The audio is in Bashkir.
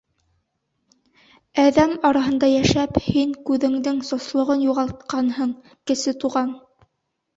— Әҙәм араһында йәшәп, һин күҙеңдең сослоғон юғалтҡанһың, Кесе Туған.